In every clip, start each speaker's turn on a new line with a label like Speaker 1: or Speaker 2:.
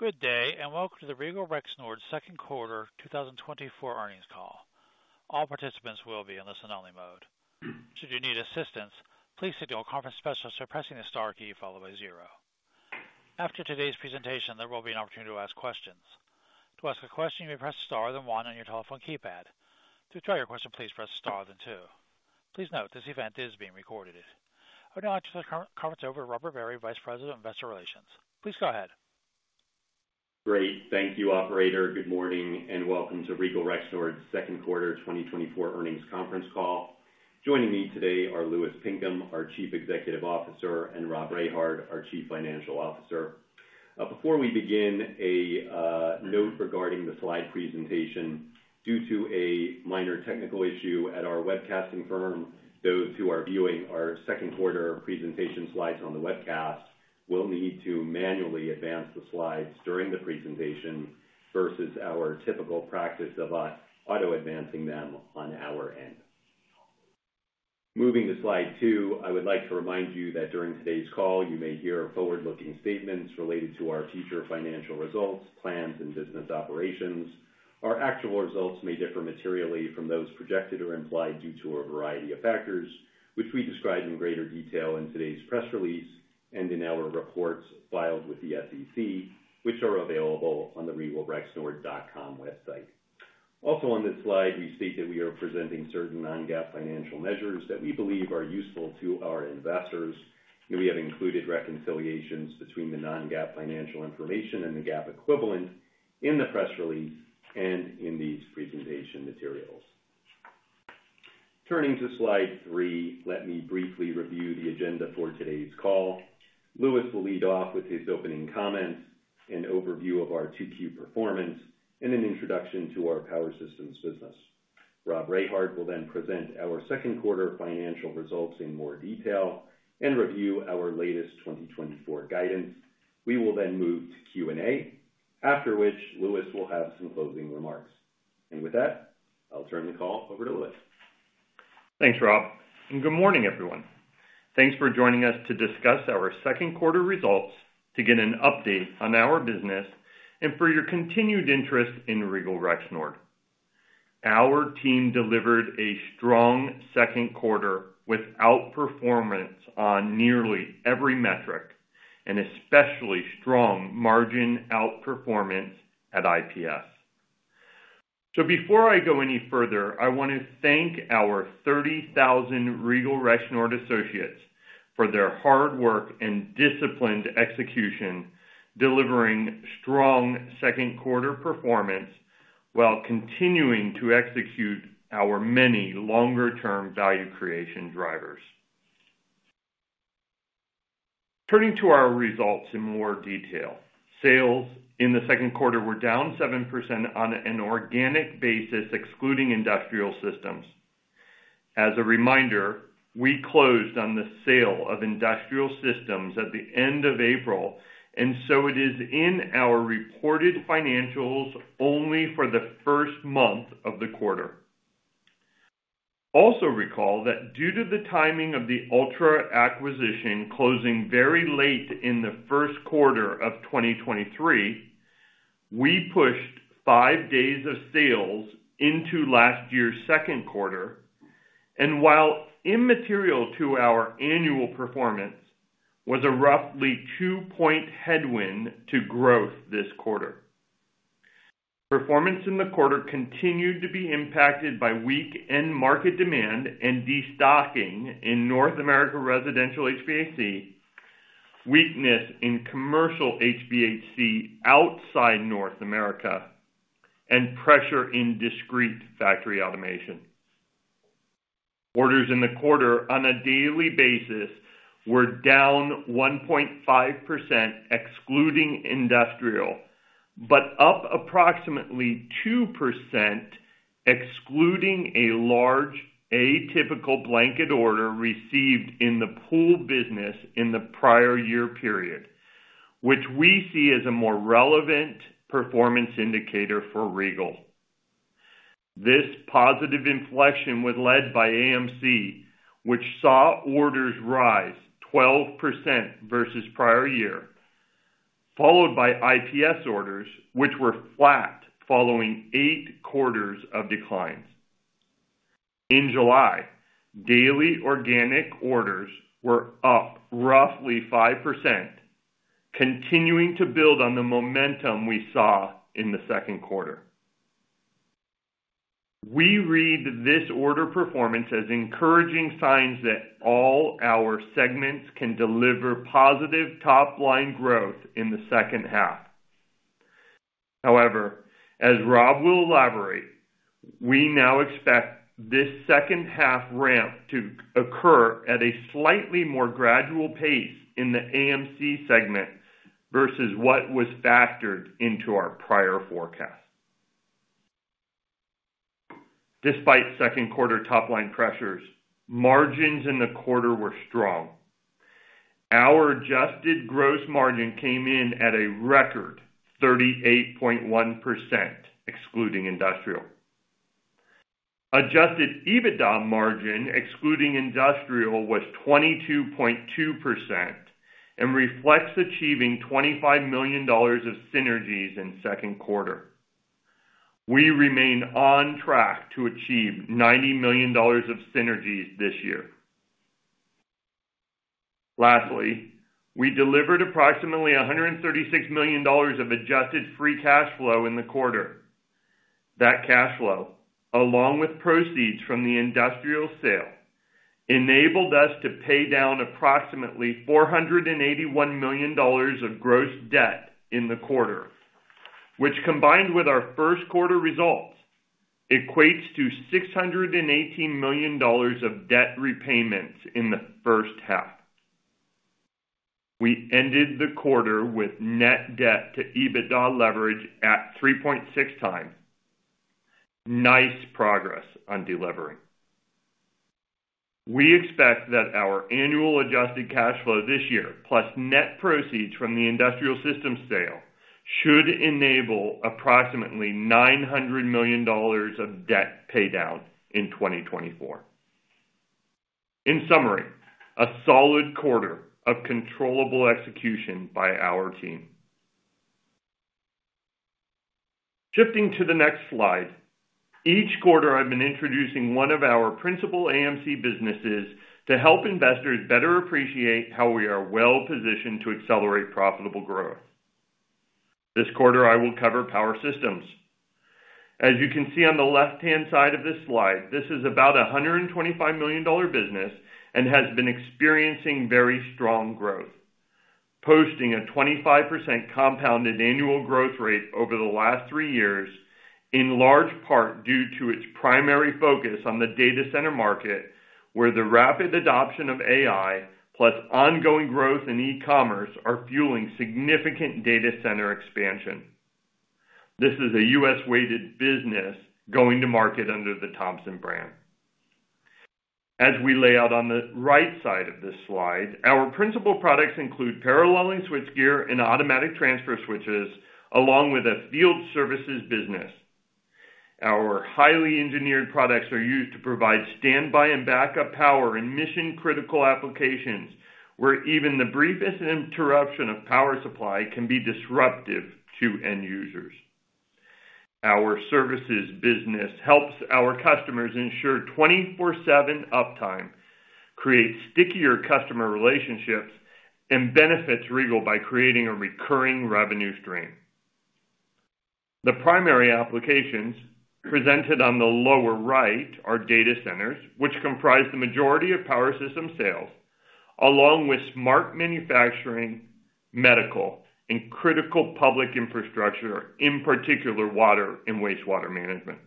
Speaker 1: Good day, and welcome to the Regal Rexnord second quarter 2024 earnings call. All participants will be in listen-only mode. Should you need assistance, please contact our conference specialist by pressing the star key followed by zero. After today's presentation, there will be an opportunity to ask questions. To ask a question, you may press star then one on your telephone keypad. To withdraw your question, please press star then two. Please note, this event is being recorded. I would now like to turn the conference over to Robert Barry, Vice President of Investor Relations. Please go ahead.
Speaker 2: Great. Thank you, Operator. Good morning and welcome to Regal Rexnord second quarter 2024 earnings conference call. Joining me today are Louis Pinkham, our Chief Executive Officer, and Rob Rehard, our Chief Financial Officer. Before we begin, a note regarding the slide presentation. Due to a minor technical issue at our webcasting firm, those who are viewing our second quarter presentation slides on the webcast will need to manually advance the slides during the presentation versus our typical practice of auto-advancing them on our end. Moving to slide 2, I would like to remind you that during today's call, you may hear forward-looking statements related to our future financial results, plans, and business operations. Our actual results may differ materially from those projected or implied due to a variety of factors, which we describe in greater detail in today's press release and in our reports filed with the SEC, which are available on the regalrexnord.com website. Also, on this slide, we state that we are presenting certain non-GAAP financial measures that we believe are useful to our investors. We have included reconciliations between the non-GAAP financial information and the GAAP equivalent in the press release and in these presentation materials. Turning to slide three, let me briefly review the agenda for today's call. Louis will lead off with his opening comments, an overview of our Q2 performance, and an introduction to our power systems business. Rob Rehard will then present our second quarter financial results in more detail and review our latest 2024 guidance. We will then move to Q&A, after which Louis will have some closing remarks. With that, I'll turn the call over to Louis.
Speaker 3: Thanks, Rob. Good morning, everyone. Thanks for joining us to discuss our second quarter results, to get an update on our business, and for your continued interest in Regal Rexnord. Our team delivered a strong second quarter with outperformance on nearly every metric, and especially strong margin outperformance at IPS. So before I go any further, I want to thank our 30,000 Regal Rexnord associates for their hard work and disciplined execution, delivering strong second quarter performance while continuing to execute our many longer-term value creation drivers. Turning to our results in more detail, sales in the second quarter were down 7% on an organic basis, excluding industrial systems. As a reminder, we closed on the sale of industrial systems at the end of April, and so it is in our reported financials only for the first month of the quarter. Also recall that due to the timing of the Altra acquisition closing very late in the first quarter of 2023, we pushed 5 days of sales into last year's second quarter, and while immaterial to our annual performance, was a roughly 2-point headwind to growth this quarter. Performance in the quarter continued to be impacted by weak end market demand and destocking in North America residential HVAC, weakness in commercial HVAC outside North America, and pressure in discrete factory automation. Orders in the quarter on a daily basis were down 1.5%, excluding industrial, but up approximately 2%, excluding a large atypical blanket order received in the pool business in the prior year period, which we see as a more relevant performance indicator for Regal. This positive inflection was led by AMC, which saw orders rise 12% versus prior year, followed by IPS orders, which were flat following eight quarters of declines. In July, daily organic orders were up roughly 5%, continuing to build on the momentum we saw in the second quarter. We read this order performance as encouraging signs that all our segments can deliver positive top-line growth in the second half. However, as Rob will elaborate, we now expect this second half ramp to occur at a slightly more gradual pace in the AMC segment versus what was factored into our prior forecast. Despite second quarter top-line pressures, margins in the quarter were strong. Our adjusted gross margin came in at a record 38.1%, excluding industrial. Adjusted EBITDA margin, excluding industrial, was 22.2% and reflects achieving $25 million of synergies in second quarter. We remain on track to achieve $90 million of synergies this year. Lastly, we delivered approximately $136 million of adjusted free cash flow in the quarter. That cash flow, along with proceeds from the industrial systems sale, enabled us to pay down approximately $481 million of gross debt in the quarter, which, combined with our first quarter results, equates to $618 million of debt repayments in the first half. We ended the quarter with net debt to EBITDA leverage at 3.6 times. Nice progress on delivering. We expect that our annual adjusted cash flow this year, plus net proceeds from the industrial systems sale, should enable approximately $900 million of debt pay down in 2024. In summary, a solid quarter of controllable execution by our team. Shifting to the next slide, each quarter I've been introducing one of our principal AMC businesses to help investors better appreciate how we are well-positioned to accelerate profitable growth. This quarter, I will cover power systems. As you can see on the left-hand side of this slide, this is about a $125 million business and has been experiencing very strong growth, posting a 25% compounded annual growth rate over the last three years, in large part due to its primary focus on the data center market, where the rapid adoption of AI, plus ongoing growth in e-commerce, are fueling significant data center expansion. This is a U.S.-weighted business going to market under the Thomson brand. As we lay out on the right side of this slide, our principal products include paralleling switchgear and automatic transfer switches, along with a field services business. Our highly engineered products are used to provide standby and backup power in mission-critical applications, where even the briefest interruption of power supply can be disruptive to end users. Our services business helps our customers ensure 24/7 uptime, creates stickier customer relationships, and benefits Regal by creating a recurring revenue stream. The primary applications presented on the lower right are data centers, which comprise the majority of power system sales, along with smart manufacturing, medical, and critical public infrastructure, in particular, water and wastewater management.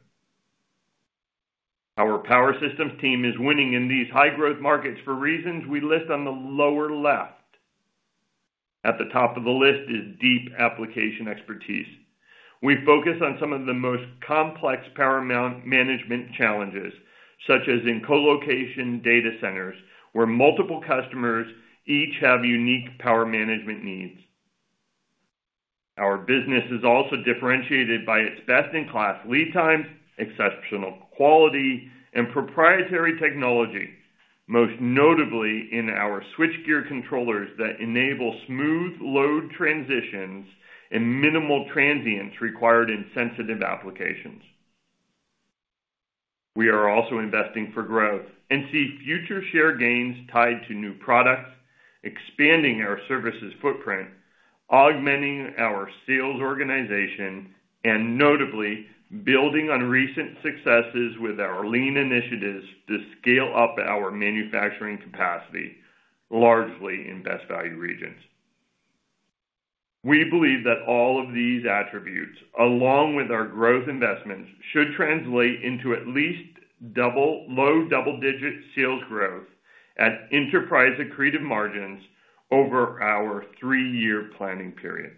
Speaker 3: Our power systems team is winning in these high-growth markets for reasons we list on the lower left. At the top of the list is deep application expertise. We focus on some of the most complex power management challenges, such as in colocation data centers, where multiple customers each have unique power management needs. Our business is also differentiated by its best-in-class lead times, exceptional quality, and proprietary technology, most notably in our switchgear controllers that enable smooth load transitions and minimal transients required in sensitive applications. We are also investing for growth and see future share gains tied to new products, expanding our services footprint, augmenting our sales organization, and notably building on recent successes with our lean initiatives to scale up our manufacturing capacity, largely in best-value regions. We believe that all of these attributes, along with our growth investments, should translate into at least low double-digit sales growth at enterprise accretive margins over our three-year planning period.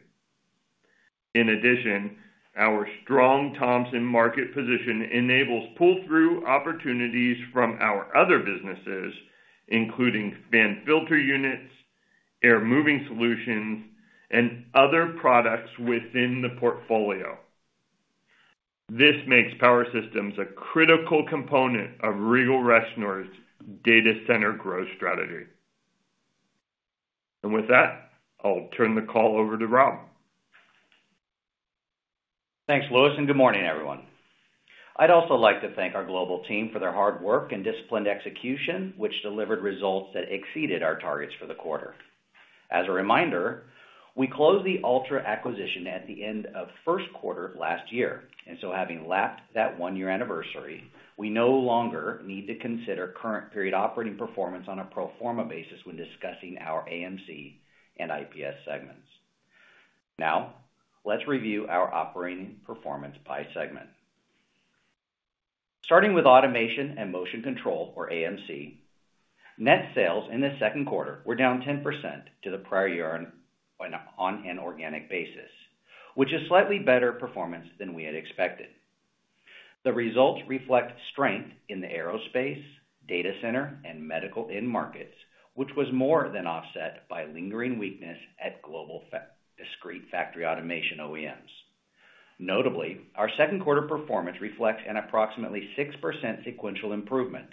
Speaker 3: In addition, our strong Thompson market position enables pull-through opportunities from our other businesses, including fan filter units, air moving solutions, and other products within the portfolio. This makes power systems a critical component of Regal Rexnord's data center growth strategy. With that, I'll turn the call over to Rob.
Speaker 4: Thanks, Louis, and good morning, everyone. I'd also like to thank our global team for their hard work and disciplined execution, which delivered results that exceeded our targets for the quarter. As a reminder, we closed the Altra acquisition at the end of first quarter last year. And so, having lapped that one-year anniversary, we no longer need to consider current period operating performance on a pro forma basis when discussing our AMC and IPS segments. Now, let's review our operating performance by segment. Starting with automation and motion control, or AMC, net sales in the second quarter were down 10% to the prior year on an organic basis, which is slightly better performance than we had expected. The results reflect strength in the aerospace, data center, and medical end markets, which was more than offset by lingering weakness at global discrete factory automation OEMs. Notably, our second quarter performance reflects an approximately 6% sequential improvement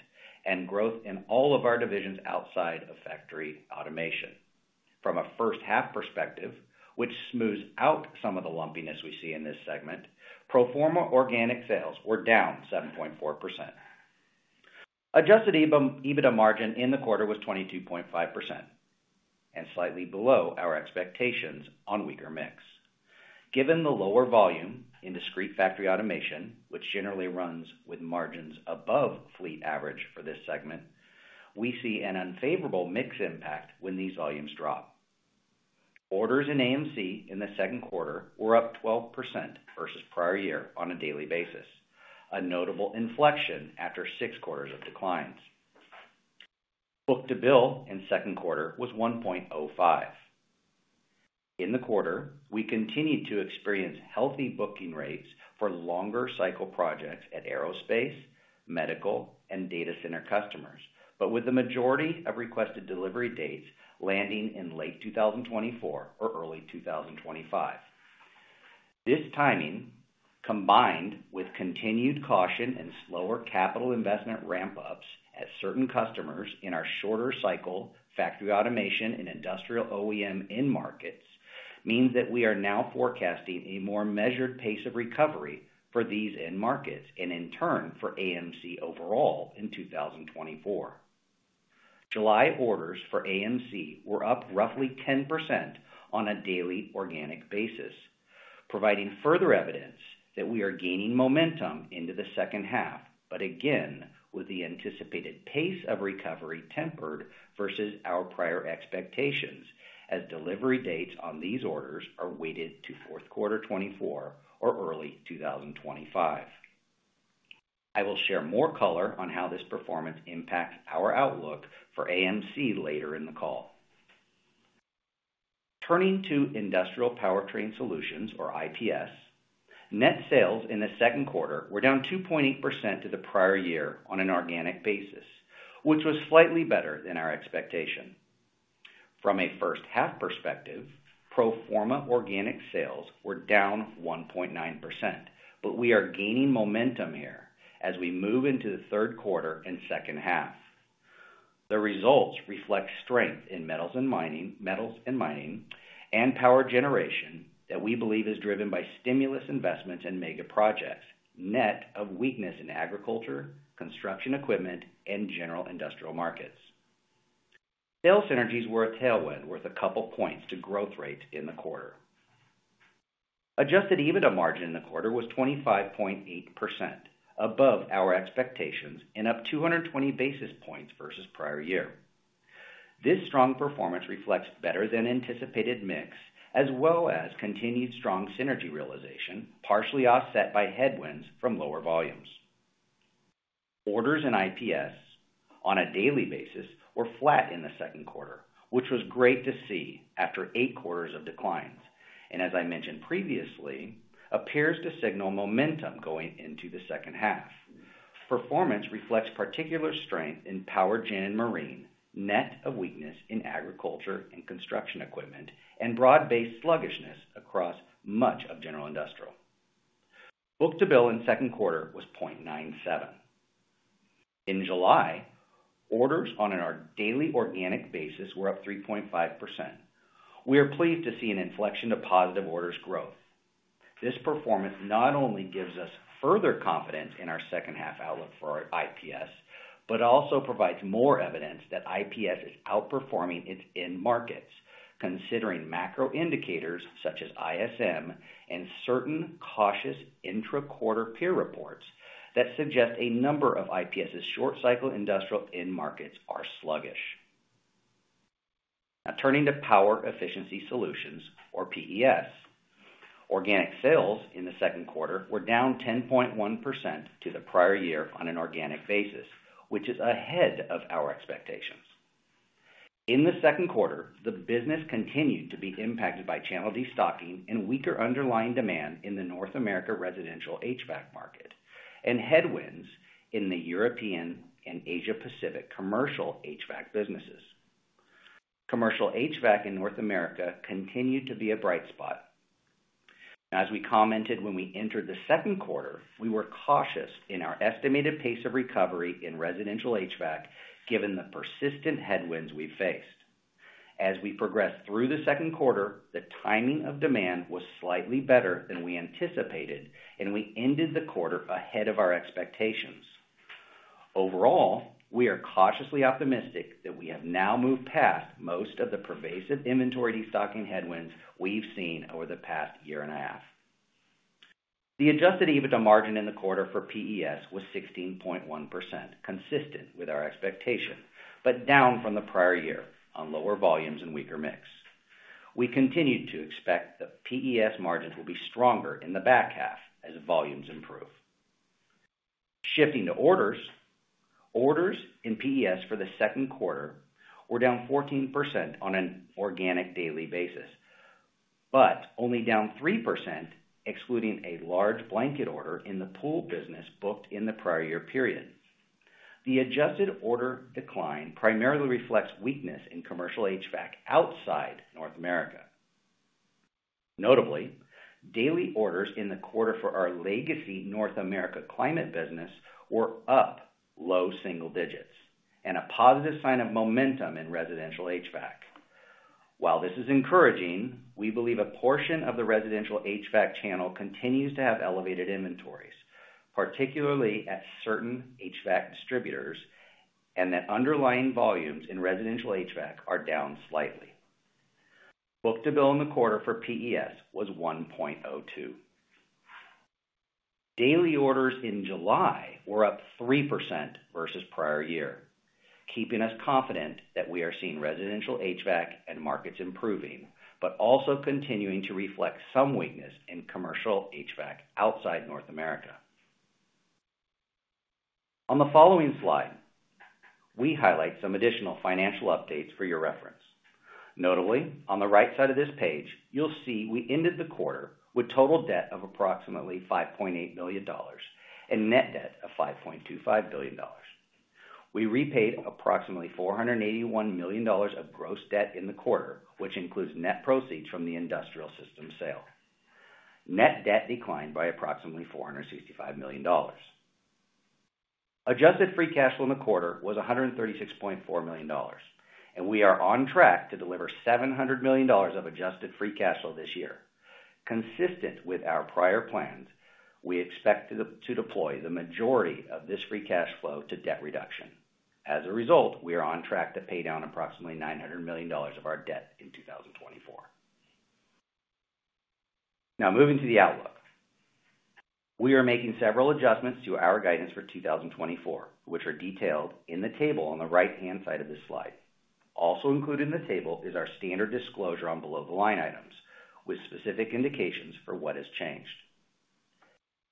Speaker 4: and growth in all of our divisions outside of factory automation. From a first half perspective, which smooths out some of the lumpiness we see in this segment, pro forma organic sales were down 7.4%. Adjusted EBITDA margin in the quarter was 22.5% and slightly below our expectations on weaker mix. Given the lower volume in discrete factory automation, which generally runs with margins above fleet average for this segment, we see an unfavorable mix impact when these volumes drop. Orders in AMC in the second quarter were up 12% versus prior year on a daily basis, a notable inflection after six quarters of declines. Book-to-bill in second quarter was 1.05. In the quarter, we continued to experience healthy booking rates for longer cycle projects at aerospace, medical, and data center customers, but with the majority of requested delivery dates landing in late 2024 or early 2025. This timing, combined with continued caution and slower capital investment ramp-ups at certain customers in our shorter cycle factory automation and industrial OEM end markets, means that we are now forecasting a more measured pace of recovery for these end markets and, in turn, for AMC overall in 2024. July orders for AMC were up roughly 10% on a daily organic basis, providing further evidence that we are gaining momentum into the second half, but again, with the anticipated pace of recovery tempered versus our prior expectations as delivery dates on these orders are weighted to fourth quarter 2024 or early 2025. I will share more color on how this performance impacts our outlook for AMC later in the call. Turning to industrial powertrain solutions, or IPS, net sales in the second quarter were down 2.8% to the prior year on an organic basis, which was slightly better than our expectation. From a first-half perspective, pro forma organic sales were down 1.9%, but we are gaining momentum here as we move into the third quarter and second half. The results reflect strength in metals and mining and power generation that we believe is driven by stimulus investments and mega projects, net of weakness in agriculture, construction equipment, and general industrial markets. Sales synergies were a tailwind worth a couple points to growth rates in the quarter. Adjusted EBITDA margin in the quarter was 25.8%, above our expectations and up 220 basis points versus prior year. This strong performance reflects better than anticipated mix, as well as continued strong synergy realization, partially offset by headwinds from lower volumes. Orders in IPS on a daily basis were flat in the second quarter, which was great to see after eight quarters of declines. As I mentioned previously, appears to signal momentum going into the second half. Performance reflects particular strength in power gen and marine, net of weakness in agriculture and construction equipment, and broad-based sluggishness across much of general industrial. Book-to-bill in second quarter was 0.97. In July, orders on our daily organic basis were up 3.5%. We are pleased to see an inflection to positive orders growth. This performance not only gives us further confidence in our second half outlook for our IPS, but also provides more evidence that IPS is outperforming its end markets, considering macro indicators such as ISM and certain cautious intra-quarter peer reports that suggest a number of IPS's short-cycle industrial end markets are sluggish. Now, turning to power efficiency solutions, or PES, organic sales in the second quarter were down 10.1% to the prior year on an organic basis, which is ahead of our expectations. In the second quarter, the business continued to be impacted by channel destocking and weaker underlying demand in the North America residential HVAC market, and headwinds in the European and Asia-Pacific commercial HVAC businesses. Commercial HVAC in North America continued to be a bright spot. As we commented when we entered the second quarter, we were cautious in our estimated pace of recovery in residential HVAC, given the persistent headwinds we faced. As we progressed through the second quarter, the timing of demand was slightly better than we anticipated, and we ended the quarter ahead of our expectations. Overall, we are cautiously optimistic that we have now moved past most of the pervasive inventory destocking headwinds we've seen over the past year and a half. The Adjusted EBITDA margin in the quarter for PES was 16.1%, consistent with our expectation, but down from the prior year on lower volumes and weaker mix. We continue to expect the PES margins will be stronger in the back half as volumes improve. Shifting to orders, orders in PES for the second quarter were down 14% on an organic daily basis, but only down 3%, excluding a large blanket order in the pool business booked in the prior year period. The adjusted order decline primarily reflects weakness in commercial HVAC outside North America. Notably, daily orders in the quarter for our legacy North America climate business were up low single digits, and a positive sign of momentum in residential HVAC. While this is encouraging, we believe a portion of the residential HVAC channel continues to have elevated inventories, particularly at certain HVAC distributors, and that underlying volumes in residential HVAC are down slightly. Book-to-bill in the quarter for PES was 1.02. Daily orders in July were up 3% versus prior year, keeping us confident that we are seeing residential HVAC markets improving, but also continuing to reflect some weakness in commercial HVAC outside North America. On the following slide, we highlight some additional financial updates for your reference. Notably, on the right side of this page, you'll see we ended the quarter with total debt of approximately $5.8 billion and net debt of $5.25 billion. We repaid approximately $481 million of gross debt in the quarter, which includes net proceeds from the industrial systems sale. Net debt declined by approximately $465 million. Adjusted free cash flow in the quarter was $136.4 million, and we are on track to deliver $700 million of adjusted free cash flow this year. Consistent with our prior plans, we expect to deploy the majority of this free cash flow to debt reduction. As a result, we are on track to pay down approximately $900 million of our debt in 2024. Now, moving to the outlook, we are making several adjustments to our guidance for 2024, which are detailed in the table on the right-hand side of this slide. Also included in the table is our standard disclosure on below-the-line items with specific indications for what has changed.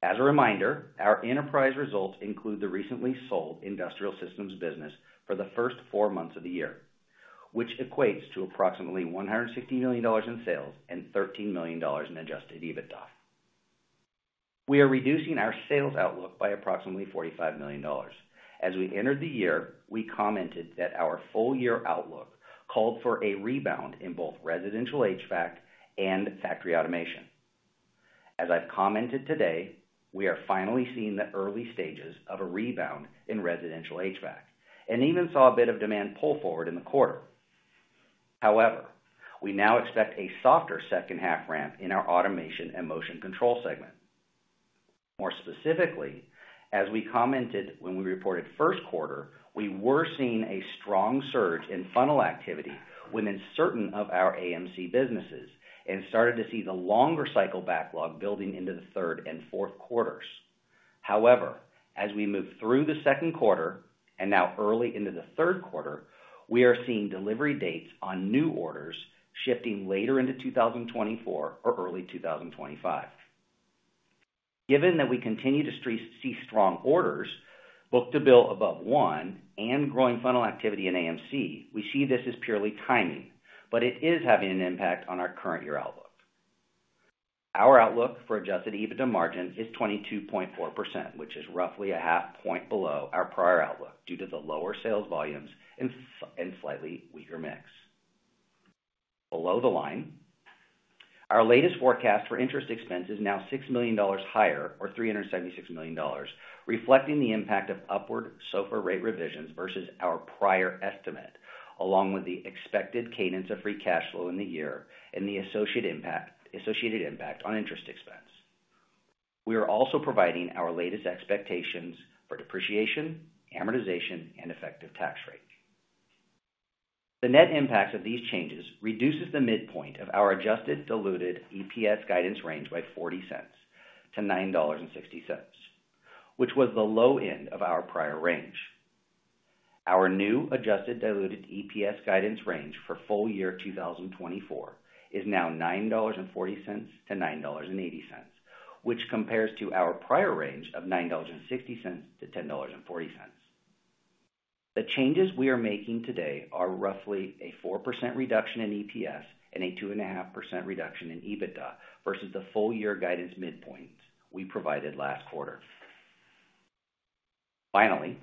Speaker 4: As a reminder, our enterprise results include the recently sold industrial systems business for the first four months of the year, which equates to approximately $160 million in sales and $13 million in Adjusted EBITDA. We are reducing our sales outlook by approximately $45 million. As we entered the year, we commented that our full-year outlook called for a rebound in both residential HVAC and factory automation. As I've commented today, we are finally seeing the early stages of a rebound in residential HVAC and even saw a bit of demand pull forward in the quarter. However, we now expect a softer second half ramp in our automation and motion control segment. More specifically, as we commented when we reported first quarter, we were seeing a strong surge in funnel activity within certain of our AMC businesses and started to see the longer cycle backlog building into the third and fourth quarters. However, as we move through the second quarter and now early into the third quarter, we are seeing delivery dates on new orders shifting later into 2024 or early 2025. Given that we continue to see strong orders, book-to-bill above one, and growing funnel activity in AMC, we see this as purely timing, but it is having an impact on our current year outlook. Our outlook for Adjusted EBITDA margin is 22.4%, which is roughly a half point below our prior outlook due to the lower sales volumes and slightly weaker mix. Below the line, our latest forecast for interest expense is now $6 million higher, or $376 million, reflecting the impact of upward SOFR rate revisions versus our prior estimate, along with the expected cadence of free cash flow in the year and the associated impact on interest expense. We are also providing our latest expectations for depreciation, amortization, and effective tax rate. The net impacts of these changes reduce the midpoint of our adjusted diluted EPS guidance range by $0.40-$9.60, which was the low end of our prior range. Our new adjusted diluted EPS guidance range for full year 2024 is now $9.40-$9.80, which compares to our prior range of $9.60-$10.40. The changes we are making today are roughly a 4% reduction in EPS and a 2.5% reduction in EBITDA versus the full-year guidance midpoint we provided last quarter. Finally,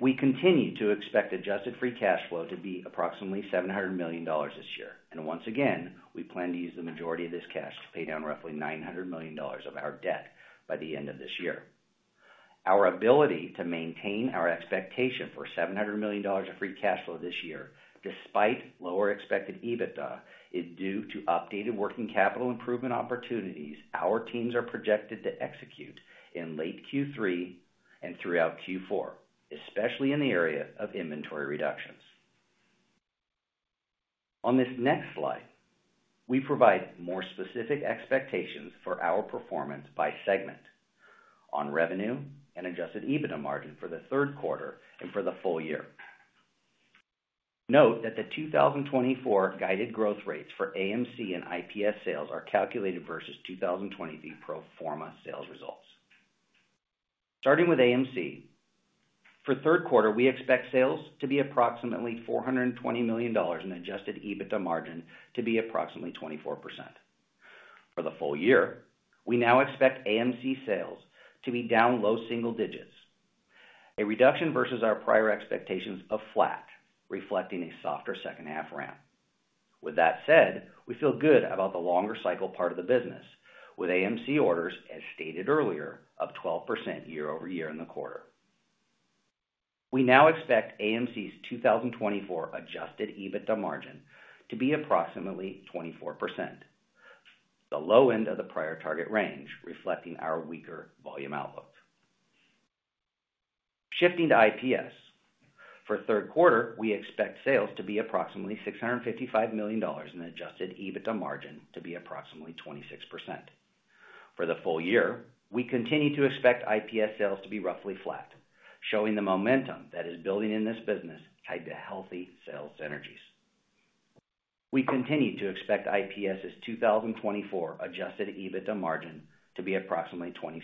Speaker 4: we continue to expect adjusted free cash flow to be approximately $700 million this year. Once again, we plan to use the majority of this cash to pay down roughly $900 million of our debt by the end of this year. Our ability to maintain our expectation for $700 million of free cash flow this year, despite lower expected EBITDA, is due to updated working capital improvement opportunities our teams are projected to execute in late Q3 and throughout Q4, especially in the area of inventory reductions. On this next slide, we provide more specific expectations for our performance by segment on revenue and Adjusted EBITDA margin for the third quarter and for the full year. Note that the 2024 guided growth rates for AMC and IPS sales are calculated versus 2023 pro forma sales results. Starting with AMC, for third quarter, we expect sales to be approximately $420 million and Adjusted EBITDA margin to be approximately 24%. For the full year, we now expect AMC sales to be down low single digits, a reduction versus our prior expectations of flat, reflecting a softer second half ramp. With that said, we feel good about the longer cycle part of the business, with AMC orders, as stated earlier, of 12% year-over-year in the quarter. We now expect AMC's 2024 Adjusted EBITDA margin to be approximately 24%, the low end of the prior target range, reflecting our weaker volume outlook. Shifting to IPS, for third quarter, we expect sales to be approximately $655 million and Adjusted EBITDA margin to be approximately 26%. For the full year, we continue to expect IPS sales to be roughly flat, showing the momentum that is building in this business tied to healthy sales synergies. We continue to expect IPS's 2024 Adjusted EBITDA margin to be approximately 26%,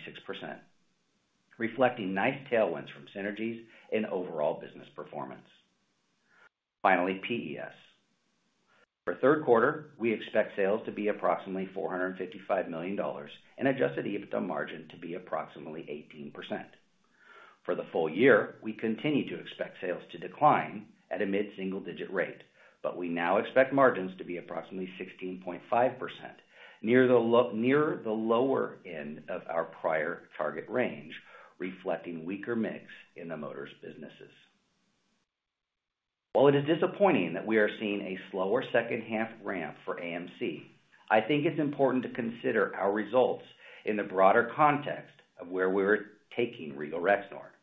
Speaker 4: reflecting nice tailwinds from synergies and overall business performance. Finally, PES. For third quarter, we expect sales to be approximately $455 million and Adjusted EBITDA margin to be approximately 18%. For the full year, we continue to expect sales to decline at a mid-single-digit rate, but we now expect margins to be approximately 16.5%, near the lower end of our prior target range, reflecting weaker mix in the motors businesses. While it is disappointing that we are seeing a slower second half ramp for AMC, I think it's important to consider our results in the broader context of where we're taking Regal Rexnord.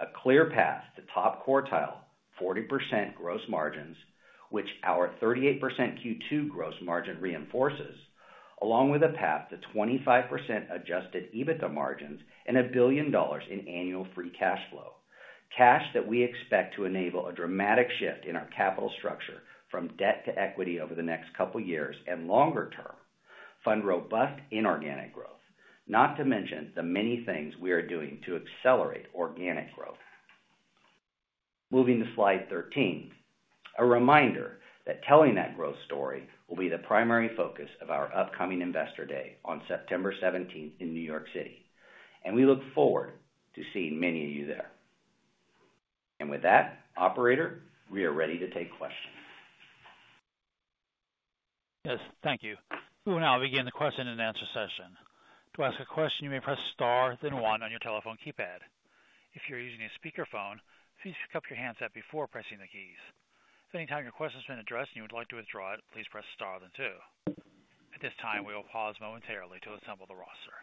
Speaker 4: A clear path to top quartile 40% gross margins, which our 38% Q2 gross margin reinforces, along with a path to 25% Adjusted EBITDA margins and $1 billion in annual free cash flow. Cash that we expect to enable a dramatic shift in our capital structure from debt to equity over the next couple of years and longer term fund robust inorganic growth, not to mention the many things we are doing to accelerate organic growth. Moving to slide 13, a reminder that telling that growth story will be the primary focus of our upcoming investor day on September 17th in New York City, and we look forward to seeing many of you there. And with that, operator, we are ready to take questions.
Speaker 1: Yes, thank you. We will now begin the question-and-answer session. To ask a question, you may press star then one on your telephone keypad. If you're using a speakerphone, please pick up your handset before pressing the keys. If any time your question has been addressed and you would like to withdraw it, please press star then two. At this time, we will pause momentarily to assemble the roster.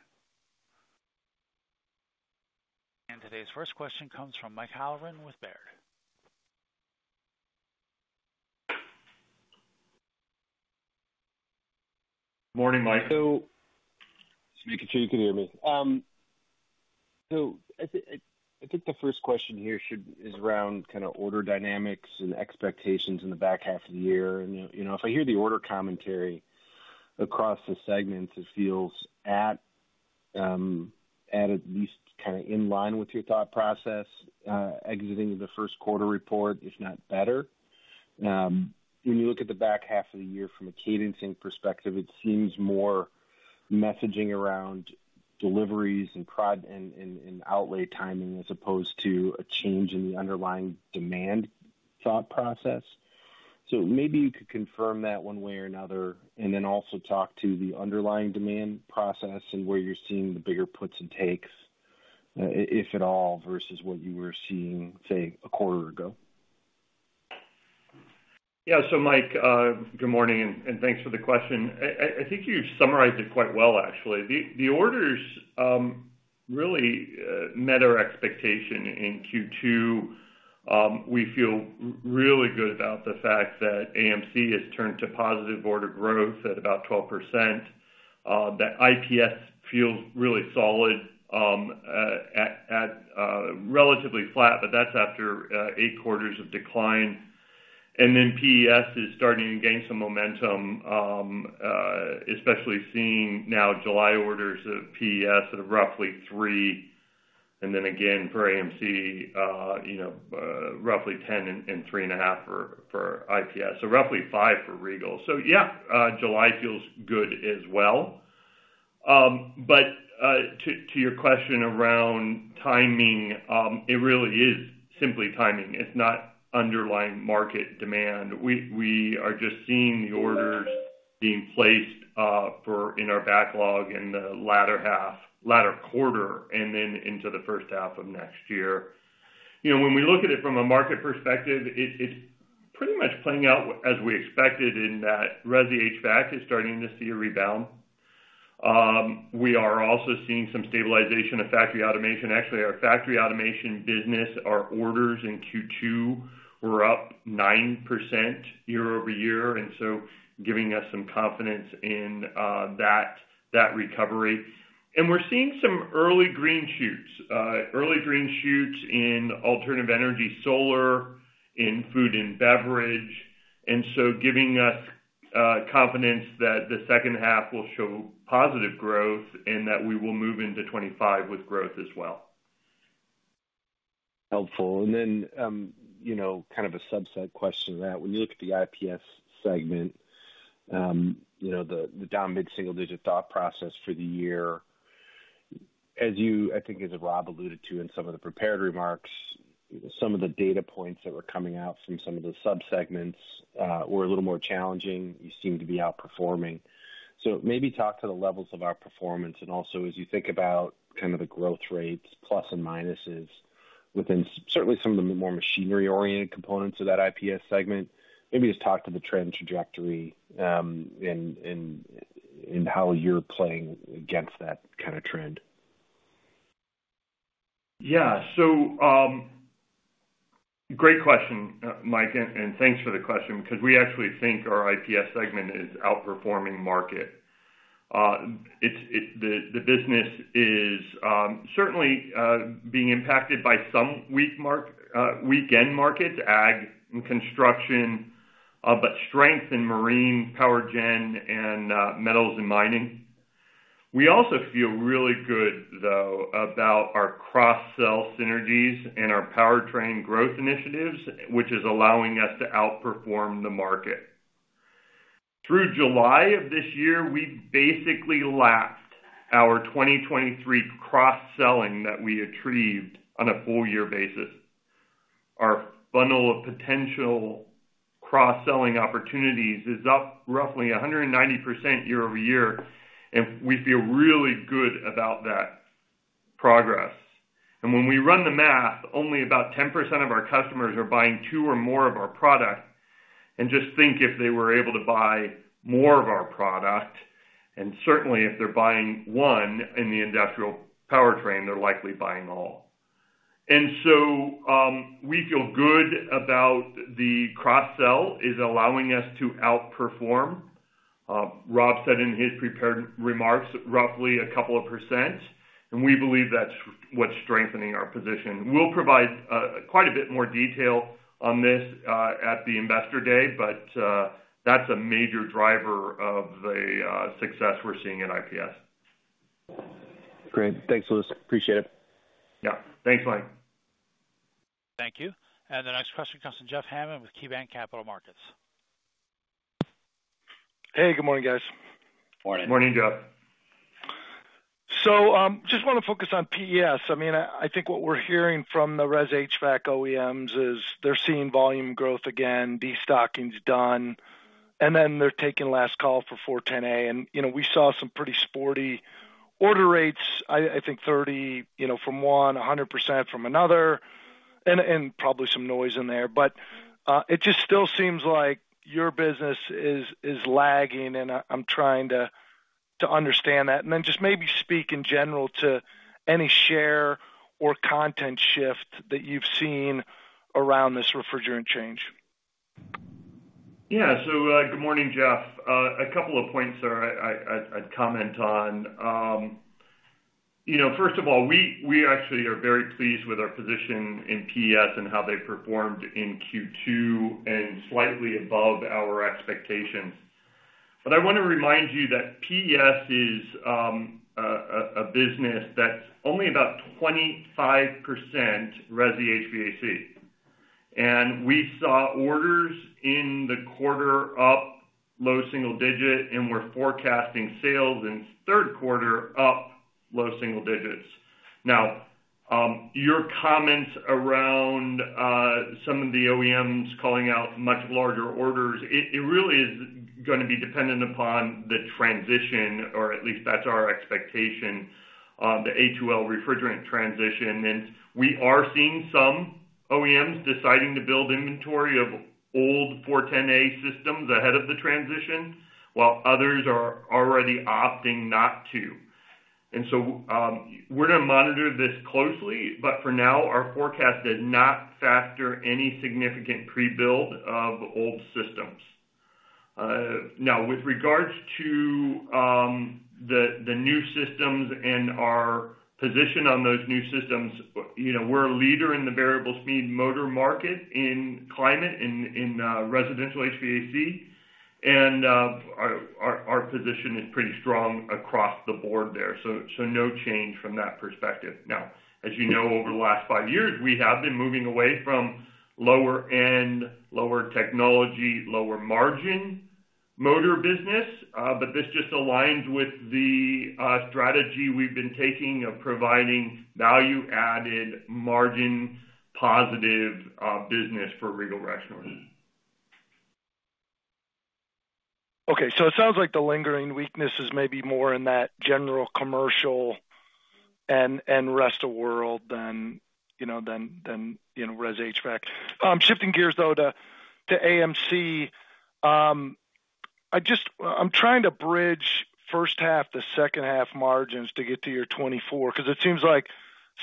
Speaker 1: Today's first question comes from Mike Halloran with Baird.
Speaker 3: Morning, Mike. So just making sure you could hear me.
Speaker 5: So I think the first question here is around kind of order dynamics and expectations in the back half of the year. If I hear the order commentary across the segments, it feels at least kind of in line with your thought process exiting the first quarter report, if not better. When you look at the back half of the year from a cadencing perspective, it seems more messaging around deliveries and outlay timing as opposed to a change in the underlying demand thought process. So maybe you could confirm that one way or another and then also talk to the underlying demand process and where you're seeing the bigger puts and takes, if at all, versus what you were seeing, say, a quarter ago?
Speaker 3: Yeah. So, Mike, good morning and thanks for the question. I think you've summarized it quite well, actually. The orders really met our expectation in Q2. We feel really good about the fact that AMC has turned to positive order growth at about 12%. That IPS feels really solid at relatively flat, but that's after eight quarters of decline. And then PES is starting to gain some momentum, especially seeing now July orders of PES at roughly 3. And then again for AMC, roughly 10 and 3.5 for IPS. So roughly 5 for Regal. So yeah, July feels good as well. But to your question around timing, it really is simply timing. It's not underlying market demand. We are just seeing the orders being placed in our backlog in the latter quarter and then into the first half of next year. When we look at it from a market perspective, it's pretty much playing out as we expected in that residential HVAC is starting to see a rebound. We are also seeing some stabilization of factory automation. Actually, our factory automation business, our orders in Q2 were up 9% year-over-year, and so giving us some confidence in that recovery. And we're seeing some early green shoots, early green shoots in alternative energy, solar, in food and beverage, and so giving us confidence that the second half will show positive growth and that we will move into 2025 with growth as well.
Speaker 5: Helpful. And then kind of a subset question of that, when you look at the IPS segment, the down mid-single-digit thought process for the year, as I think Rob alluded to in some of the prepared remarks, some of the data points that were coming out from some of the subsegments were a little more challenging. You seem to be outperforming. So maybe talk to the levels of our performance and also, as you think about kind of the growth rates, plus and minuses within certainly some of the more machinery-oriented components of that IPS segment, maybe just talk to the trend trajectory and how you're playing against that kind of trend.
Speaker 3: Yeah. So great question, Mike, and thanks for the question because we actually think our IPS segment is outperforming market. The business is certainly being impacted by some weak end markets, ag and construction, but strength in marine, power gen, and metals and mining. We also feel really good, though, about our cross-sell synergies and our power train growth initiatives, which is allowing us to outperform the market. Through July of this year, we basically lapped our 2023 cross-selling that we achieved on a full-year basis. Our funnel of potential cross-selling opportunities is up roughly 190% year-over-year, and we feel really good about that progress. And when we run the math, only about 10% of our customers are buying two or more of our product. And just think if they were able to buy more of our product, and certainly if they're buying one in the industrial powertrain, they're likely buying all. And so we feel good about the cross-sell is allowing us to outperform. Rob said in his prepared remarks, roughly a couple of percent, and we believe that's what's strengthening our position. We'll provide quite a bit more detail on this at the investor day, but that's a major driver of the success we're seeing in IPS.
Speaker 5: Great. Thanks, Louis. Appreciate it.
Speaker 3: .Yeah. Thanks, Mike.
Speaker 1: Thank you. And the next question comes from Jeff Hammond with KeyBanc Capital Markets.
Speaker 6: Hey, good morning, guys.
Speaker 4: Morning.
Speaker 3: Morning, Jeff.
Speaker 6: So just want to focus on PES. I mean, I think what we're hearing from the residential HVAC OEMs is they're seeing volume growth again, destocking's done, and then they're taking last call for 410A And we saw some pretty sporty order rates, I think 30% from one, 100% from another, and probably some noise in there. But it just still seems like your business is lagging, and I'm trying to understand that. And then just maybe speak in general to any share or content shift that you've seen around this refrigerant change. Yeah. So good morning, Jeff. A couple of points I'd comment on. First of all, we actually are very pleased with our position in PES and how they performed in Q2 and slightly above our expectations. But I want to remind you that PES is a business that's only about 25% residential HVAC. And we saw orders in the quarter up low single digit, and we're forecasting sales in third quarter up low single digits. Now, your comments around some of the OEMs calling out much larger orders, it really is going to be dependent upon the transition, or at least that's our expectation, the A2L refrigerant transition. And we are seeing some OEMs deciding to build inventory of old 410A systems ahead of the transition, while others are already opting not to. And so we're going to monitor this closely, but for now, our forecast does not factor any significant pre-build of old systems. Now, with regards to the new systems and our position on those new systems, we're a leader in the variable speed motor market in climate in residential HVAC, and our position is pretty strong across the board there. So no change from that perspective. Now, as you know, over the last five years, we have been moving away from lower-end, lower technology, lower margin motor business, but this just aligns with the strategy we've been taking of providing value-added, margin-positive business for Regal Rexnord. Okay. So it sounds like the lingering weakness is maybe more in that general commercial and rest of world than resi HVAC. Shifting gears, though, to AMC, I'm trying to bridge first half to second half margins to get to your 2024 because it seems like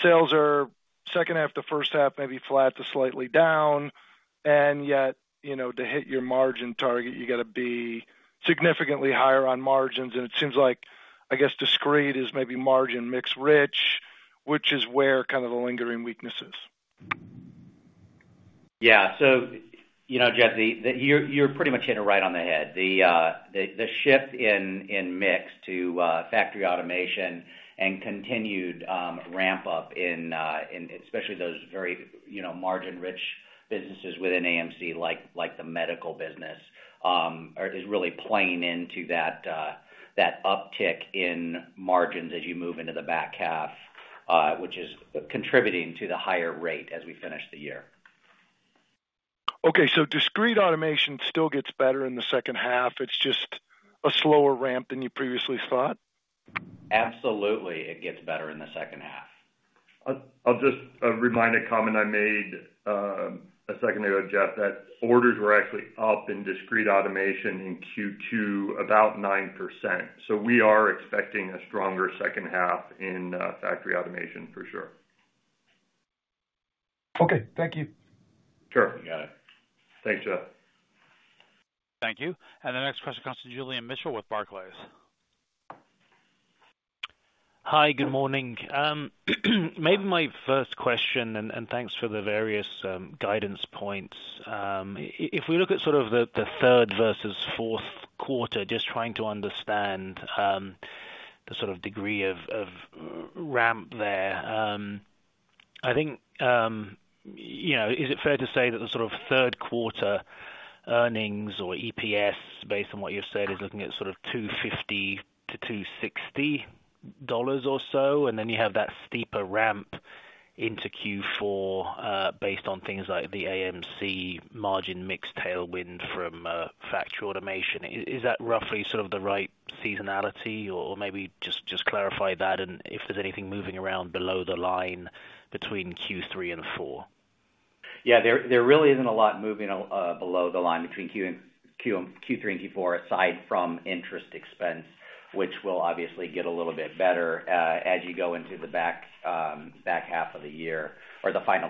Speaker 6: sales are second half to first half maybe flat to slightly down, and yet to hit your margin target, you got to be significantly higher on margins. And it seems like, I guess, discrete is maybe margin mix rich, which is where kind of the lingering weakness is.
Speaker 4: Yeah. So, Jeff, you're pretty much hit it right on the head. The shift in mix to factory automation and continued ramp-up in especially those very margin-rich businesses within AMC, like the medical business, is really playing into that uptick in margins as you move into the back half, which is contributing to the higher rate as we finish the year.
Speaker 6: Okay. So discrete automation still gets better in the second half. It's just a slower ramp than you previously thought?
Speaker 4: Absolutely. It gets better in the second half.
Speaker 3: I'll just remind a comment I made a second ago, Jeff, that orders were actually up in discrete automation in Q2 about 9%. So we are expecting a stronger second half in factory automation for sure.
Speaker 6: Okay. Thank you.
Speaker 3: Sure. You got it. Thanks, Jeff.
Speaker 1: Thank you. And the next question comes from Julian Mitchell with Barclays.
Speaker 7: Hi, good morning. Maybe my first question, and thanks for the various guidance points. If we look at sort of the third versus fourth quarter, just trying to understand the sort of degree of ramp there, I think is it fair to say that the sort of third quarter earnings or EPS, based on what you've said, is looking at sort of $250-$260 or so, and then you have that steeper ramp into Q4 based on things like the AMC margin mix tailwind from factory automation. Is that roughly sort of the right seasonality, or maybe just clarify that and if there's anything moving around below the line between Q3 and Q4?
Speaker 3: Yeah. There really isn't a lot moving below the line between Q3 and Q4 aside from interest expense, which will obviously get a little bit better as you go into the back half of the year or the final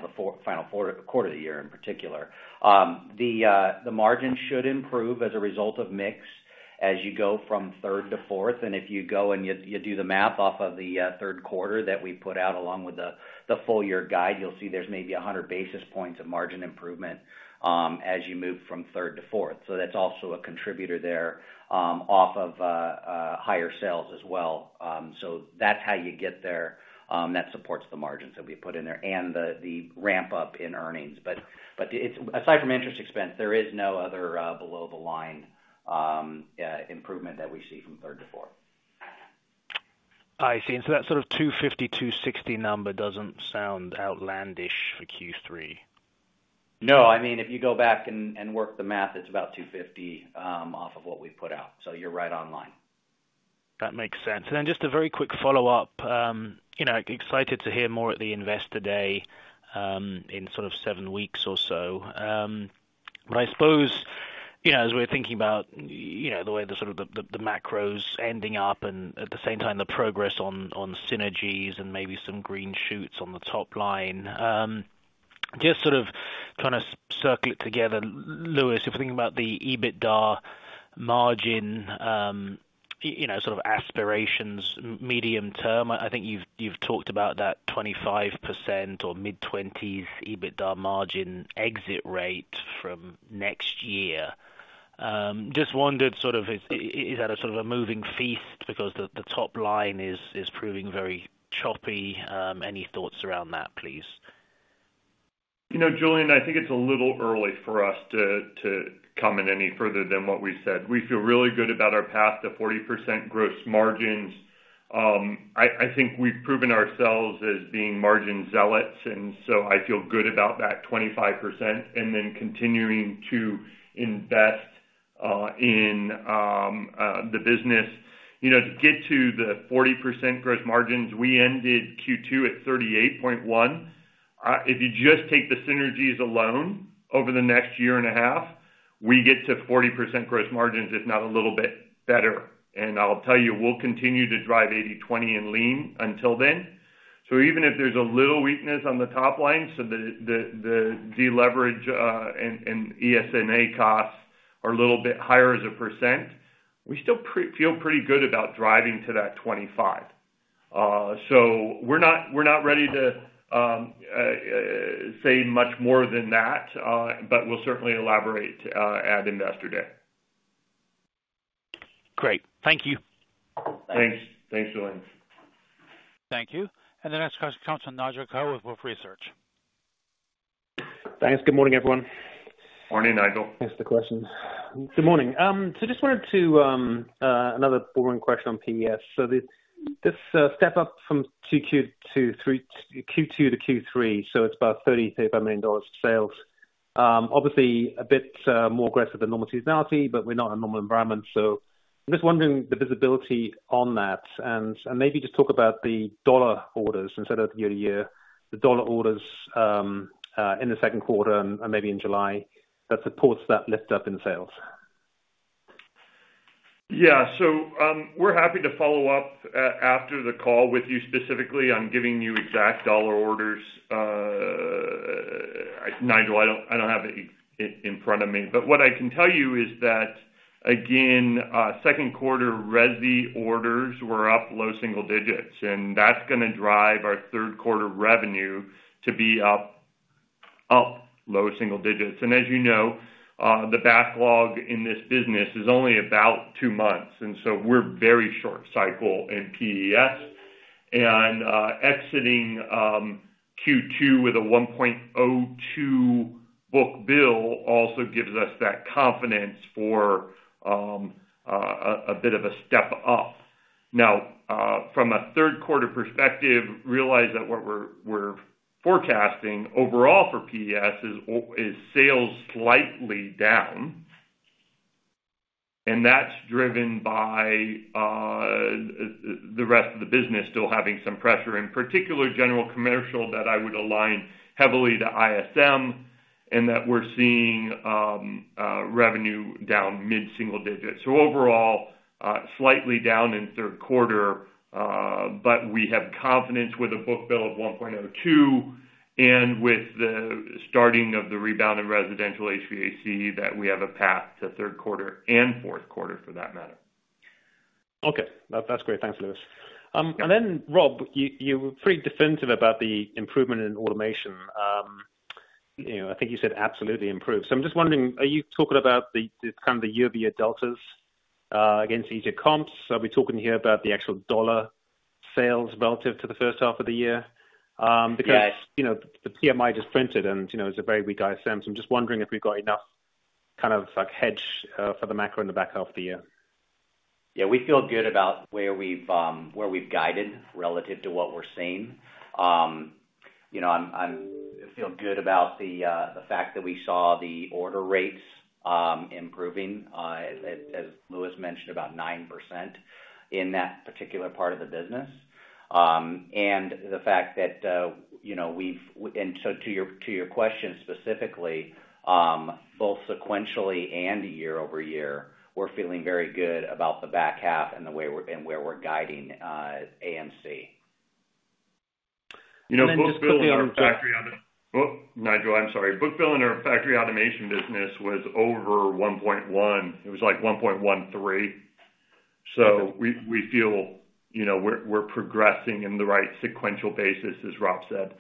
Speaker 3: quarter of the year in particular. The margin should improve as a result of mix as you go from third to fourth. If you go and you do the math off of the third quarter that we put out along with the full-year guide, you'll see there's maybe 100 basis points of margin improvement as you move from third to fourth. So that's also a contributor there off of higher sales as well. So that's how you get there. That supports the margins that we put in there and the ramp-up in earnings. But aside from interest expense, there is no other below-the-line improvement that we see from third to fourth.
Speaker 7: I see. And so that sort of 250, 260 number doesn't sound outlandish for Q3.
Speaker 3: No. I mean, if you go back and work the math, it's about 250 off of what we put out. So you're right on line.
Speaker 7: That makes sense. Then just a very quick follow-up. Excited to hear more at the investor day in sort of 7 weeks or so. But I suppose as we're thinking about the way the sort of the macros ending up and at the same time the progress on synergies and maybe some green shoots on the top line, just sort of kind of circle it together. Lewis, if we're thinking about the EBITDA margin sort of aspirations medium term, I think you've talked about that 25% or mid-20s EBITDA margin exit rate from next year. Just wondered sort of is that a sort of a moving feast because the top line is proving very choppy. Any thoughts around that, please?
Speaker 3: Julian, I think it's a little early for us to comment any further than what we've said. We feel really good about our path to 40% gross margins. I think we've proven ourselves as being margin zealots, and so I feel good about that 25% and then continuing to invest in the business. To get to the 40% gross margins, we ended Q2 at 38.1. If you just take the synergies alone over the next year and a half, we get to 40% gross margins, if not a little bit better. And I'll tell you, we'll continue to drive 80/20 and lean until then. So even if there's a little weakness on the top line, so the deleverage and ESNA costs are a little bit higher as a percent, we still feel pretty good about driving to that 25. So we're not ready to say much more than that, but we'll certainly elaborate at investor day.
Speaker 7: Great. Thank you.
Speaker 3: Thanks. Thanks, Julian.
Speaker 1: Thank you. And the next question comes from Nigel Coe with Wolfe Research. Thanks.
Speaker 8: Good morning, everyone.
Speaker 3: Morning, Nigel.
Speaker 4: Thanks for the question.
Speaker 8: Good morning. So just wanted to ask another boring question on PES. So this step-up from Q2 to Q3, so it's about $30 million-$35 million sales. Obviously, a bit more aggressive than normal seasonality, but we're not in a normal environment. So I'm just wondering the visibility on that and maybe just talk about the dollar orders instead of year-to-year, the dollar orders in the second quarter and maybe in July that supports that lift-up in sales.
Speaker 3: Yeah. So we're happy to follow up after the call with you specifically on giving you exact dollar orders. Nigel, I don't have it in front of me. But what I can tell you is that, again, second quarter Resi orders were up low single digits, and that's going to drive our third quarter revenue to be up low single digits. As you know, the backlog in this business is only about two months. And so we're very short cycle in PES. And exiting Q2 with a 1.02 book-to-bill also gives us that confidence for a bit of a step-up. Now, from a third quarter perspective, realize that what we're forecasting overall for PES is sales slightly down, and that's driven by the rest of the business still having some pressure, in particular general commercial that I would align heavily to ISM and that we're seeing revenue down mid-single digits. So overall, slightly down in third quarter, but we have confidence with a book-to-bill of 1.02 and with the starting of the rebound in residential HVAC that we have a path to third quarter and fourth quarter for that matter.
Speaker 8: Okay. That's great. Thanks, Lewis. And then, Rob, you were pretty definitive about the improvement in automation. I think you said absolutely improved. So I'm just wondering, are you talking about kind of the year-to-year deltas against EJCOMPS? Are we talking here about the actual dollar sales relative to the first half of the year? Because the PMI just printed, and it's a very weak ISM. So I'm just wondering if we've got enough kind of hedge for the macro in the back half of the year.
Speaker 4: Yeah. We feel good about where we've guided relative to what we're seeing. I feel good about the fact that we saw the order rates improving, as Louis mentioned, about 9% in that particular part of the business. And the fact that we've—and so to your question specifically, both sequentially and year-over-year, we're feeling very good about the back half and where we're guiding AMC.
Speaker 3: Book-to-bill and factory—whoop, Nigel, I'm sorry. Book-to-bill in our factory automation business was over 1.1. It was like 1.13. So we feel we're progressing in the right sequential basis, as Rob said.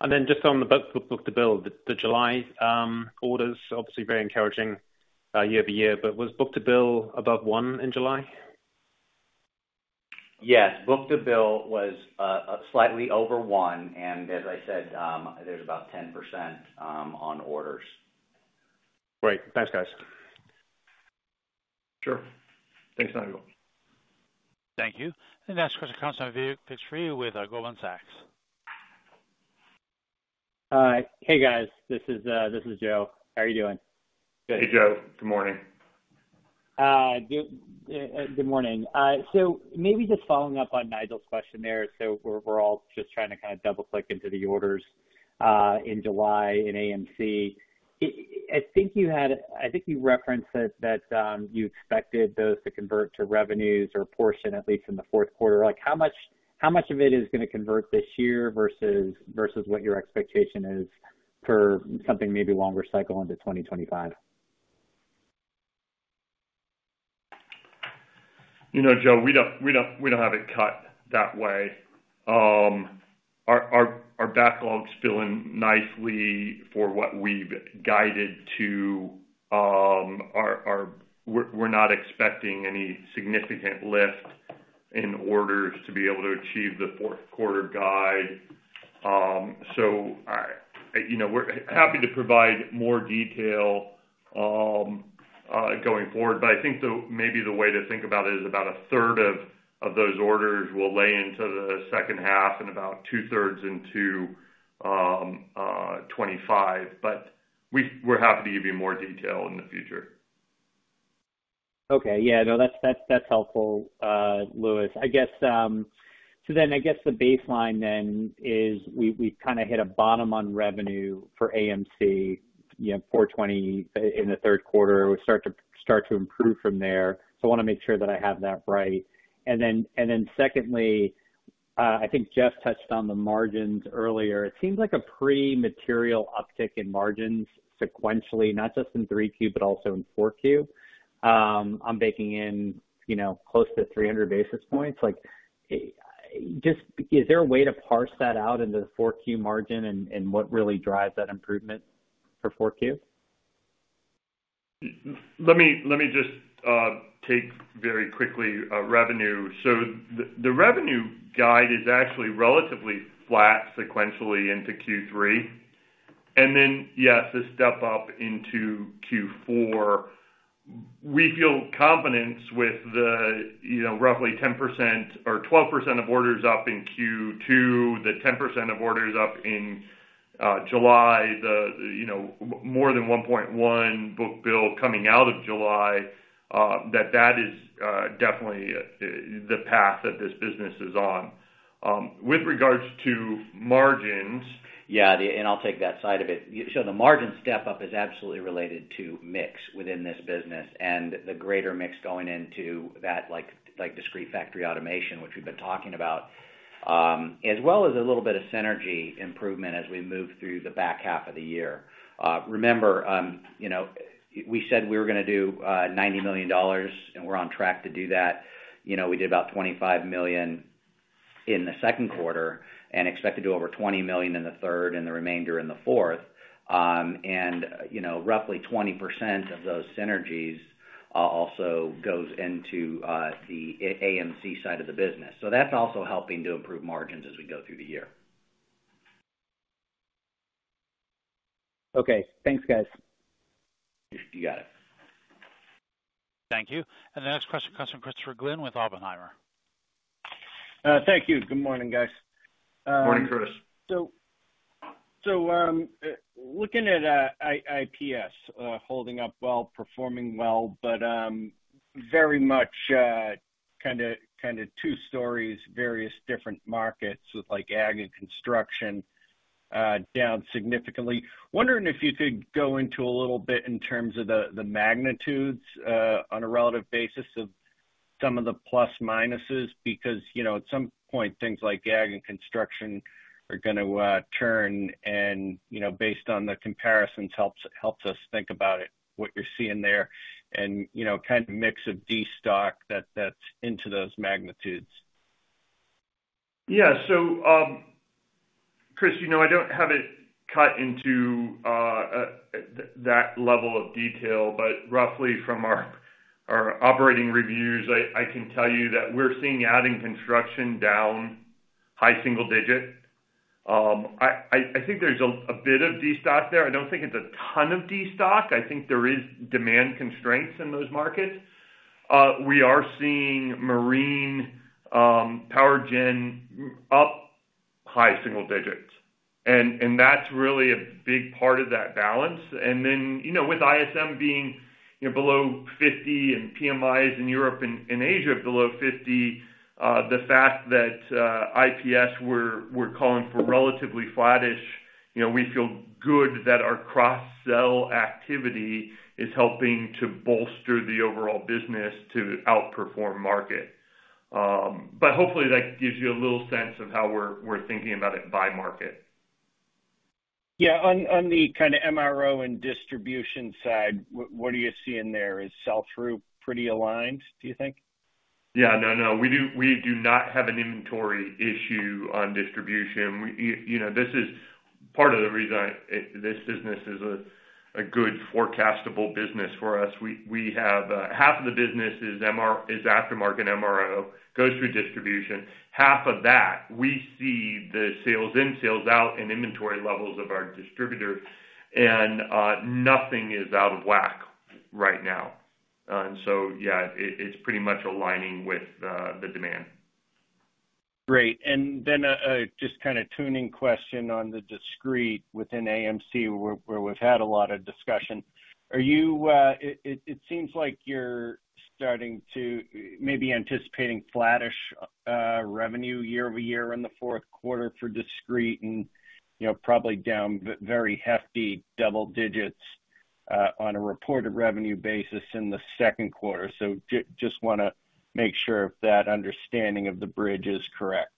Speaker 3: And then just on the book-to-bill, the July orders, obviously very encouraging year-over-year, but was book-to-bill above 1 in July? Yes. Book-to-bill was slightly over 1. And as I said, there's about 10% on orders.
Speaker 8: Great. Thanks, guys.
Speaker 3: Sure. Thanks, Nigel.
Speaker 1: Thank you. And the next question comes from Ritchie with Goldman Sachs.
Speaker 9: Hi, guys. This is Joe. How are you doing?
Speaker 3: Hey, Joe. Good morning.
Speaker 9: Good morning. So maybe just following up on Nigel's question there. So we're all just trying to kind of double-click into the orders in July in AMC. I think you had—I think you referenced that you expected those to convert to revenues or a portion, at least in the fourth quarter. How much of it is going to convert this year versus what your expectation is for something maybe longer cycle into 2025?
Speaker 3: You know, Joe, we don't have it cut that way. Our backlog's filling nicely for what we've guided to. We're not expecting any significant lift in orders to be able to achieve the fourth quarter guide. So we're happy to provide more detail going forward, but I think maybe the way to think about it is about a third of those orders will lay into the second half and about 2/3 into 2025. But we're happy to give you more detail in the future.
Speaker 9: Okay. Yeah. No, that's helpful, Louis. So then I guess the baseline then is we've kind of hit a bottom on revenue for AMC, $420 in the third quarter. We start to improve from there. So I want to make sure that I have that right. And then secondly, I think Jeff touched on the margins earlier. It seems like a pretty material uptick in margins sequentially, not just in 3Q, but also in 4Q. I'm baking in close to 300 basis points. Just is there a way to parse that out into the 4Q margin and what really drives that improvement for 4Q?
Speaker 3: Let me just take very quickly revenue. So the revenue guide is actually relatively flat sequentially into Q3. And then, yes, a step-up into Q4. We feel confidence with the roughly 10% or 12% of orders up in Q2, the 10% of orders up in July, the more than 1.1 book-to-bill coming out of July, that that is definitely the path that this business is on. With regards to margins.
Speaker 4: Yeah. And I'll take that side of it. So the margin step-up is absolutely related to mix within this business and the greater mix going into that discrete factory automation, which we've been talking about, as well as a little bit of synergy improvement as we move through the back half of the year. Remember, we said we were going to do $90 million, and we're on track to do that. We did about $25 million in the second quarter and expected to do over $20 million in the third and the remainder in the fourth. And roughly 20% of those synergies also goes into the AMC side of the business. So that's also helping to improve margins as we go through the year.
Speaker 9: Okay. Thanks, guys.
Speaker 3: You got it.
Speaker 1: Thank you. And the next question comes from Christopher Glynn with Oppenheimer.
Speaker 10: Thank you. Good morning, guys.
Speaker 3: Morning, Chris.
Speaker 10: So looking at IPS, holding up well, performing well, but very much kind of two stories, various different markets with ag and construction down significantly. Wondering if you could go into a little bit in terms of the magnitudes on a relative basis of some of the plus-minuses because at some point, things like ag and construction are going to turn. And based on the comparisons, helps us think about what you're seeing there and kind of mix of D stock that's into those magnitudes.
Speaker 3: Yeah. So, Chris, I don't have it cut into that level of detail, but roughly from our operating reviews, I can tell you that we're seeing ag and construction down high single digit. I think there's a bit of D stock there. I don't think it's a ton of D stock. I think there are demand constraints in those markets. We are seeing marine power gen up high single digits. And that's really a big part of that balance. And then with ISM being below 50 and PMIs in Europe and Asia below 50, the fact that IPS we're calling for relatively flattish, we feel good that our cross-sell activity is helping to bolster the overall business to outperform market. But hopefully, that gives you a little sense of how we're thinking about it by market.
Speaker 10: Yeah. On the kind of MRO and distribution side, what are you seeing there? Is sell-through pretty aligned, do you think?
Speaker 3: Yeah. No, no. We do not have an inventory issue on distribution. This is part of the reason this business is a good forecastable business for us. Half of the business is aftermarket MRO, goes through distribution. Half of that, we see the sales in, sales out, and inventory levels of our distributors. Nothing is out of whack right now. So, yeah, it's pretty much aligning with the demand.
Speaker 10: Great. Then just kind of tuning question on the discrete within AMC, where we've had a lot of discussion. It seems like you're starting to maybe anticipating flattish revenue year-over-year in the fourth quarter for discrete and probably down very hefty double digits on a reported revenue basis in the second quarter. Just want to make sure that understanding of the bridge is correct.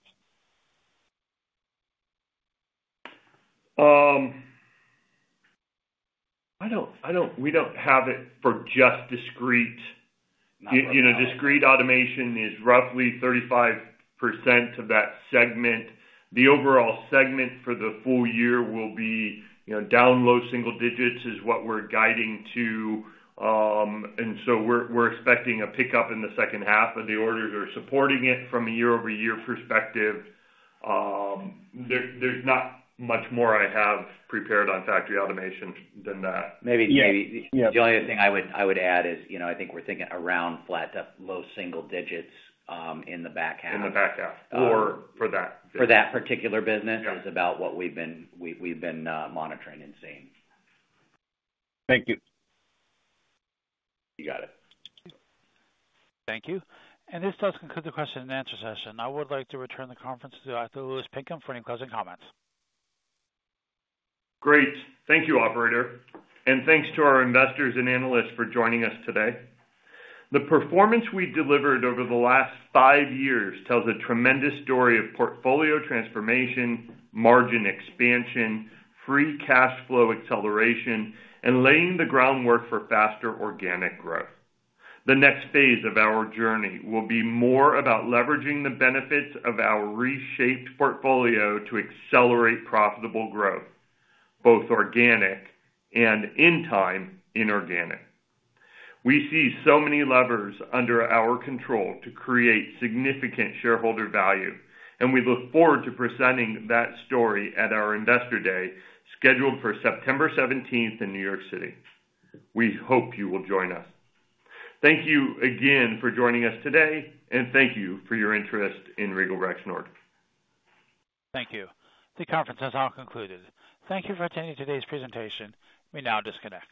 Speaker 3: We don't have it for just discrete. Discrete automation is roughly 35% of that segment. The overall segment for the full year will be down low single digits is what we're guiding to. So we're expecting a pickup in the second half, and the orders are supporting it from a year-over-year perspective. There's not much more I have prepared on factory automation than that.
Speaker 4: Maybe the only other thing I would add is I think we're thinking around flat to low single digits in the back half.
Speaker 3: In the back half for that
Speaker 4: particular business is about what we've been monitoring and seeing.
Speaker 10: Thank you.
Speaker 3: You got it.
Speaker 1: Thank you. And this does conclude the question and answer session. I would like to return the conference to Mr. Louis Pinkham for any closing comments.
Speaker 3: Great. Thank you, operator. And thanks to our investors and analysts for joining us today. The performance we delivered over the last five years tells a tremendous story of portfolio transformation, margin expansion, free cash flow acceleration, and laying the groundwork for faster organic growth. The next phase of our journey will be more about leveraging the benefits of our reshaped portfolio to accelerate profitable growth, both organic and in time inorganic. We see so many levers under our control to create significant shareholder value, and we look forward to presenting that story at our investor day scheduled for September 17th in New York City. We hope you will join us. Thank you again for joining us today, and thank you for your interest in Regal Rexnord.
Speaker 1: Thank you. The conference has now concluded. Thank you for attending today's presentation. We now disconnect.